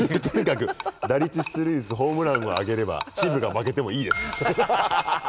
とにかく打率出塁率ホームランを上げればチームが負けてもいいです。